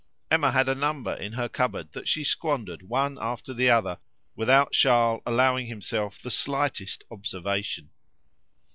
Emma had a number in her cupboard that she squandered one after the other, without Charles allowing himself the slightest observation.